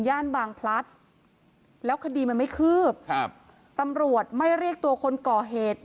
บางพลัดแล้วคดีมันไม่คืบครับตำรวจไม่เรียกตัวคนก่อเหตุ